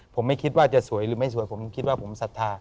ผมไม่คิดว่าจะสวยหรือไม่สวยผมคิดว่าผมศรัทธา